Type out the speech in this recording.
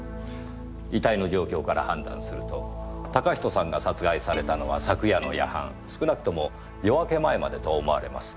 遺体の状況から判断すると嵩人さんが殺害されたのは昨夜の夜半少なくとも夜明け前までと思われます。